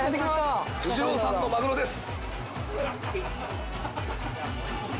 スシローさんのマグロです。